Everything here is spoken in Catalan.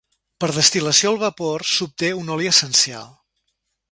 Per destil·lació al vapor s'obté un oli essencial.